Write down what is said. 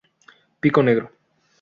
Pico negro.